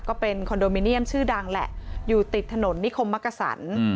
ก็เป็นคอนโดมิเนียมชื่อดังแหละอยู่ติดถนนนิคมมักกษัน